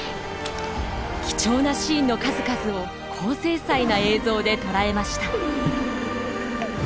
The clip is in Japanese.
貴重なシーンの数々を高精細な映像で捉えました。